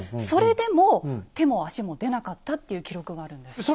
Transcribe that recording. それでも手も足も出なかったっていう記録があるんです。